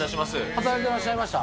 働いてらっしゃいました？